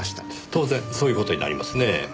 当然そういう事になりますねぇ。